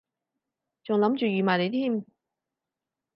仲諗住預埋你添